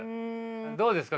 どうですか。